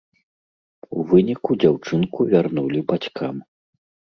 У выніку, дзяўчынку вярнулі бацькам.